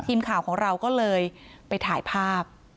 ทีมข่าวของเราก็เลยไปถ่ายภาพ